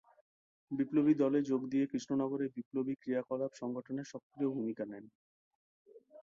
বিপ্লবী দলে যোগ দিয়ে কৃষ্ণনগরে বিপ্লবী ক্রিয়াকলাপ সংগঠনে সক্রিয় ভূমিকা নেন।